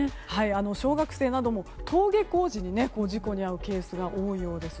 小学生なども登下校時に事故に遭うケースが多いようです。